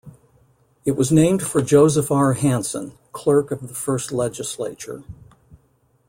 It was named for Joseph R. Hanson, clerk of the first legislature.